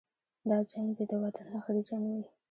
دا جنګ دې د وطن اخري جنګ وي.